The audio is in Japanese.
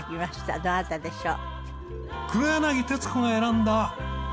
どなたでしょう？